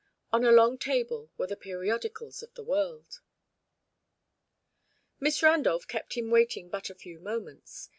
On a long table were the periodicals of the world. Miss Randolph kept him waiting but a few moments.